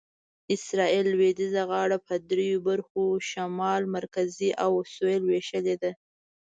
اسرایل لویدیځه غاړه په دریو برخو شمال، مرکزي او سویل وېشلې ده.